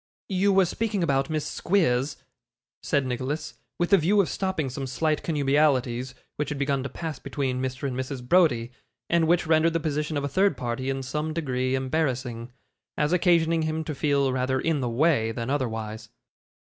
'You were speaking about Miss Squeers,' said Nicholas, with the view of stopping some slight connubialities which had begun to pass between Mr and Mrs. Browdie, and which rendered the position of a third party in some degree embarrassing, as occasioning him to feel rather in the way than otherwise.